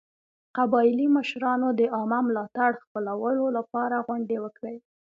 قبایلي مشرانو د عامه ملاتړ خپلولو لپاره غونډې وکړې.